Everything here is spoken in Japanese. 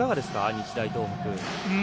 日大東北。